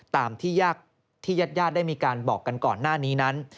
ตามที่ญาติญาติได้มีการบอกกันก่อนหน้านี้นั้น